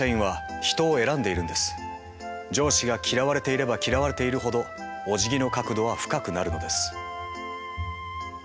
上司が嫌われていれば嫌われているほどおじぎの角度は深くなるのです。